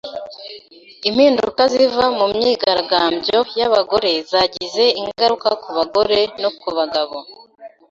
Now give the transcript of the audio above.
Impinduka ziva mu myigaragambyo y’abagore zagize ingaruka ku bagore no ku bagabo.